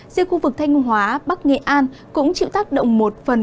riêng khu vực thanh hóa bắc nghệ an cũng chịu tác động một phần